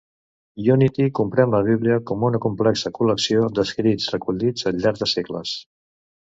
Unity comprèn la Bíblia com una complexa col·lecció d'escrits recollits al llarg de segles.